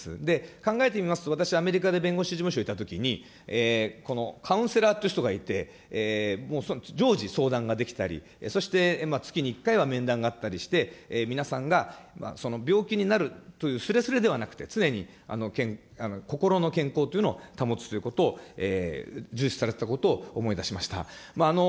考えてみますと、私、アメリカで弁護士事務所にいたときに、カウンセラーっていう人がいて、もう常時相談ができたり、そして月に１回は面談があったりして、皆さんが病気になるというすれすれではなくて、常に心の健康というものを保つということを重視されてたことを思い出しました。